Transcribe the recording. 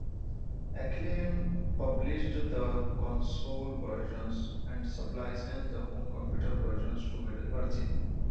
Acclaim published the console versions, and sub-licensed the home computer versions to Virgin.